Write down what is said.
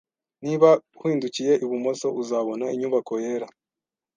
Niba uhindukiye ibumoso, uzabona inyubako yera